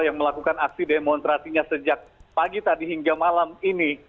yang melakukan aksi demonstrasinya sejak pagi tadi hingga malam ini